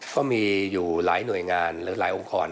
ก็มีอยู่หลายหน่วยงานหลายองค์กร